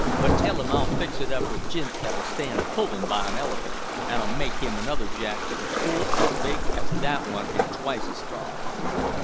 But tell him I'll fix it up with jints that'll stand pullin' by an elephant, and I'll make him another jack to the full as big as that one an' twice as strong.'